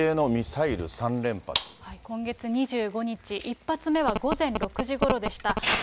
今月２５日、１発目は午前６時ごろでした。